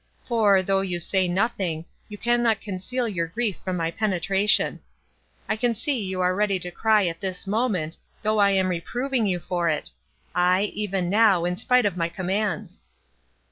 For, though you say nothing, you cannot conceal your grief from my penetration. I can see you are ready to cry at this moment, though I am reproving you for it; aye, even now, in spite of my commands."